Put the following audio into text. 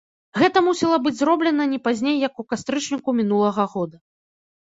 Гэта мусіла быць зроблена не пазней як у кастрычніку мінулага года.